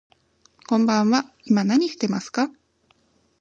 こんばんは、今何してますか。